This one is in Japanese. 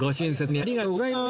ありがとうございます。